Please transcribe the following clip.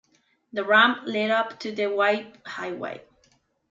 The ramp led up to the wide highway.